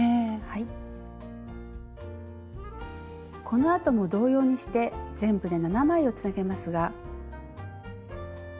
このあとも同様にして全部で７枚をつなげますが。